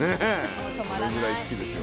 それぐらい好きですよ